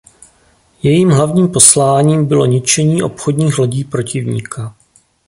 Jejím hlavním posláním bylo ničení obchodních lodí protivníka.